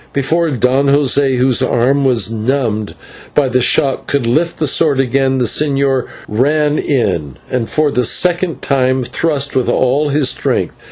Before Don José, whose arm was numbed by the shock, could lift the sword again, the señor ran in, and for the second time thrust with all his strength.